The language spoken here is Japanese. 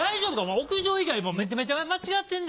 屋上以外めちゃめちゃ間違ってんで。